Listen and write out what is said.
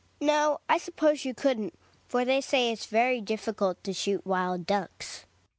Hedvig. No, I suppose you couldn't; for they say it's very difficult to shoot wild ducks.